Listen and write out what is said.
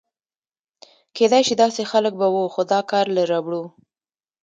کېدای شي داسې خلک به و، خو دا کار له ربړو.